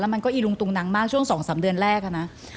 มันก็อีลุงตุงนังมากช่วง๒๓เดือนแรกนะ